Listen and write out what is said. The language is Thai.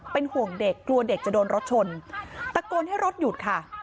เป็นห่วงเด็กกลัวเด็กจะโดนรถชนตะโกนให้รถหยุดค่ะ